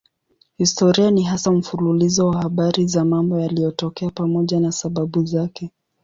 Historia ni hasa mfululizo wa habari za mambo yaliyotokea pamoja na sababu zake.